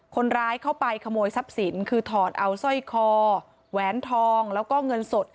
คนร้ายเข้าไปขโมยทรัพย์สินคือถอดเอาสร้อยคอแหวนทองแล้วก็เงินสด